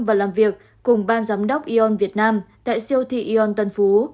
và làm việc cùng ban giám đốc eon việt nam tại siêu thị eon tân phú